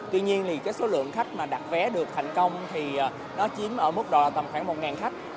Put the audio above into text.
tuy nhiên thì cái số lượng khách mà đặt vé được thành công thì nó chiếm ở mức độ tầm khoảng một khách